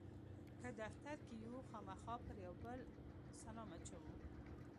که دفتر کې یو خامخا پر یو او بل سلام اچوو.